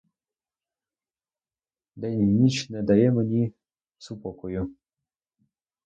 День і ніч не дає мені супокою!